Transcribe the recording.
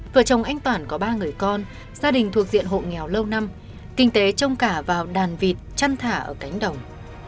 vợ chồng anh toản có ba người con gia đình thuộc diện hộ nghèo lâu năm kinh tế trông cả vào đàn vịt chăn thả ở cánh đồng